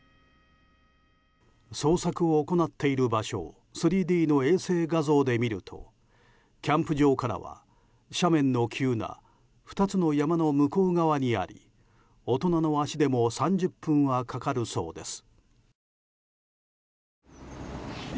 捜索を行っている場所を３Ｄの衛星画像で見るとキャンプ場からは斜面の急な２つの山の向こう側にあり大人の足でも３０分はかかるそうです。